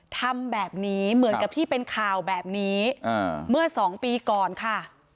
ทำแบบนี้เหมือนกับที่เป็นข่าวแบบนี้เมื่อสองปีก่อนค่ะ